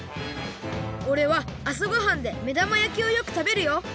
おれはあさごはんでめだまやきをよくたべるよ。